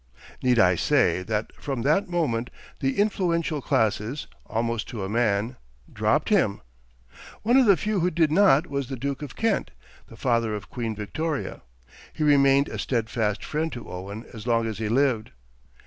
Need I say that from that moment the influential classes, almost to a man, dropped him? One of the few who did not was the Duke of Kent, the father of Queen Victoria. He remained a steadfast friend to Owen as long as he lived.